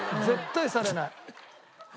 絶対されない。